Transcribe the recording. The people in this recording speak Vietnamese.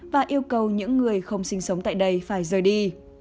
và yêu cầu những người không sinh sống tại đây phải rời đi